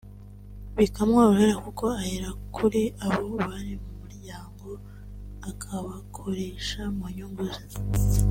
bikamworohera kuko ahera kuri abo bari mu muryango akabakoresha mu nyungu ze